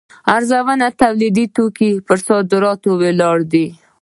ارزانه تولیدي توکو پر صادراتو ولاړ دی.